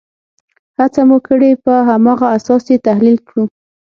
هڅه مو کړې په هماغه اساس یې تحلیل کړو.